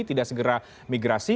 tidak segera migrasi